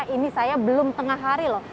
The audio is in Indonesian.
ini saya belum tengah hari loh